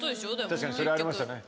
確かにそれありましたね。